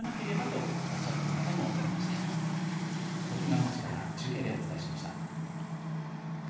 ときがわ町から中継でお伝えしました。